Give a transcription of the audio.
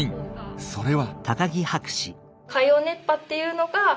それは。